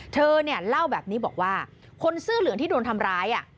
เธอเนี่ยเล่าแบบนี้บอกว่าคนเสื้อเหลืองที่โดนทำร้าย